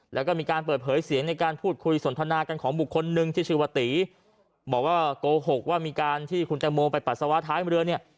แล้วก็มีการเปิดเผยเสียงในการพูดคุยสนทนากันของบุคคลหนึ่งที่ชื่อว่าตีบอกว่าโกหกว่ามีการที่คุณแตงโมไปปัสสาวะท้ายเรือเนี่ย